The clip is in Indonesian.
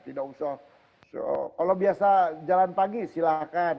kalau biasa jalan pagi silahkan